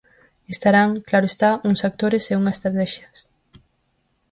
Estarán, claro está, uns actores e unha estratexias.